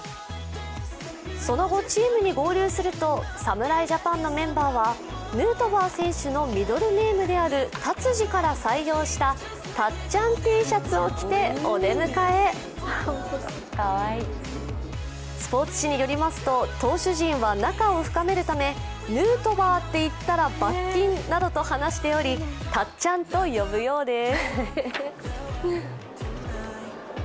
その後、チームに合流すると、侍ジャパンのメンバーはヌートバー選手のミドルネームであるタツジから採用したたっちゃんＴシャツを着てお出迎えスポーツ紙によりますと、投手陣は仲を深めるため、ヌートバーって言ったら罰金などど話しており、たっちゃんと呼ぶようです。